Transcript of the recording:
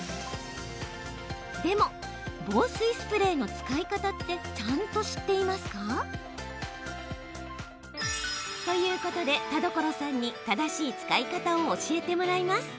でも、防水スプレーの使い方ってちゃんと知っていますか？ということで田所さんに正しい使い方を教えてもらいます。